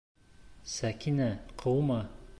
Сәкинә, ҡыума!